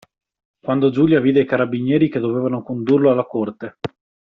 Quando Giulia vide i carabinieri che dovevano condurlo alla Corte.